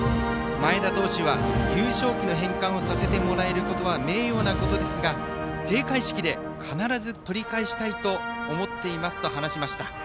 前田投手は、優勝旗の返還をさせてもらえることは名誉なことですが閉会式で必ず取り返したいと思っていますと話しました。